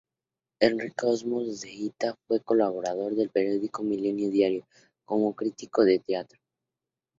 Enrique Olmos de Ita fue colaborador del periódico "Milenio diario" como crítico de teatro.